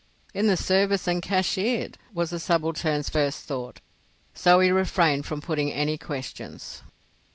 "In the service and cashiered," was the subaltern's first thought, so he refrained from putting any questions.